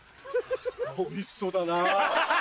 おいしそうだな。